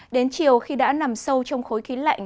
đến chiều khi đã nằm sâu trong khối khí lạnh